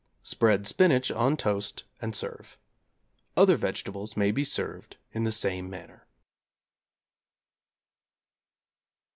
Spread spinach on toast and serve. Other vegetables may be served in the same manner.